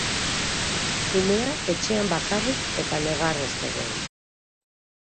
Umea etxean bakarrik eta negarrez zegoen.